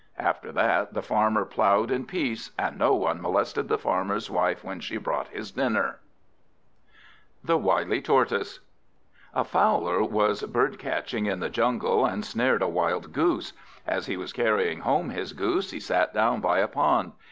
After that the Farmer ploughed in peace, and no one molested the Farmer's wife when she brought his dinner. The Wily Tortoise A FOWLER was bird catching in the jungle, and snared a wild goose. As he was carrying home his goose, he sat down by a pond.